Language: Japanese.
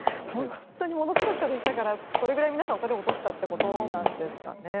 本当にものすごい人でしたからそれぐらい皆さん、お金を落としたということですかね。